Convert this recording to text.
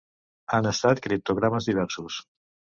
Han estat criptogrames diversos.